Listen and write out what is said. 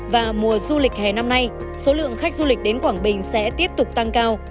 và mùa du lịch hè năm nay số lượng khách du lịch đến quảng bình sẽ tiếp tục tăng cao